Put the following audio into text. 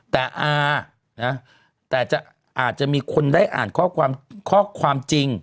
แต่อ่าแต่อาจจะมีคนได้อ่านข้อความจริง